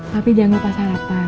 tapi jangan lupa sarapan